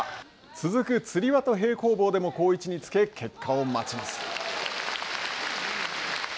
続く、つり輪と平行棒でも好位置につけ結果を待ちます。